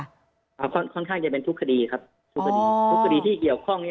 ค่อนข้างค่อนข้างจะเป็นทุกคดีครับทุกคดีทุกคดีที่เกี่ยวข้องเนี้ย